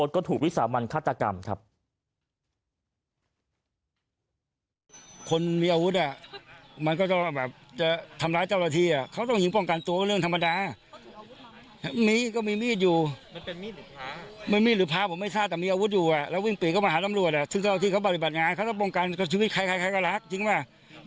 ก็ปืนยิงเข้าไปสุดท้ายโอ๊ตก็ถูกวิสาบวันฆาตกรรมครับ